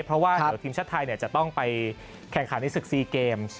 เพราะว่าทีมชัดไทยจะต้องไปแข่งขาดในศึกษีเกม